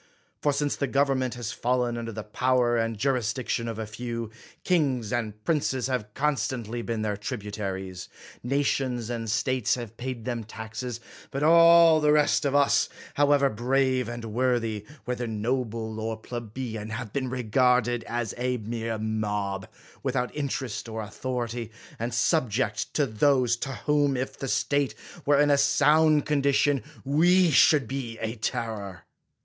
For since the government has fallen under the power and jurisdiction of a few, kings and princes have constantly been their tributaries; nations and states have paid them taxes; but all the rest of us, however brave and worthy, whether noble or plebeian, have been regarded as a mere mob, without interest or authority, and subject to those, to whom, if the state were in a sound con dition, we should be a terror.